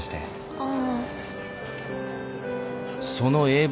ああ。